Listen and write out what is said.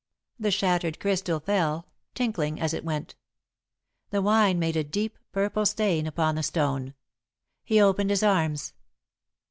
The shattered crystal fell, tinkling as it went. The wine made a deep, purple stain upon the stone. He opened his arms.